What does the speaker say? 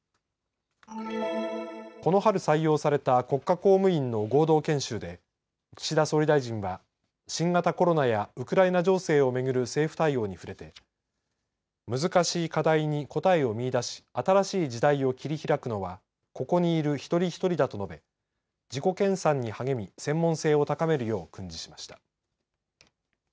この春、採用された国家公務員の合同研修で岸田総理大臣は新型コロナやウクライナ情勢を巡る政府対応に触れて難しい課題に答えを見いだし、新しい時代を切り開くのはここにいる一人一人だと述べ自己研さんに励み専門性を高めるよう訓示しました。